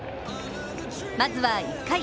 まずは１回。